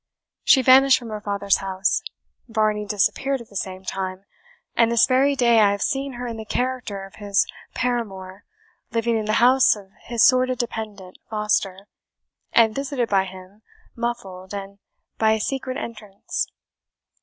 She vanished from her father's house; Varney disappeared at the same time; and this very day I have seen her in the character of his paramour, living in the house of his sordid dependant Foster, and visited by him, muffled, and by a secret entrance."